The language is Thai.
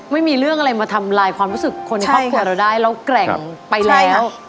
ไม่มีเรื่องอะไรมาทำลายความรู้สึกคนในครอบครัวเราได้เราแกร่งไปแล้ว